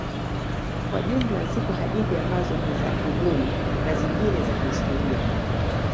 Kwa jumla zipo hadithi ambazo ni za kubuni na zingine za kihistoria.